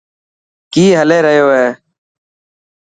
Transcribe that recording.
ڪي هلي ريو هي.